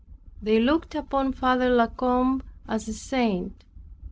They looked upon Father La Combe as a saint.